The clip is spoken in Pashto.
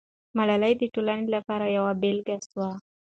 ملالۍ د ټولنې لپاره یوه بېلګه سوه.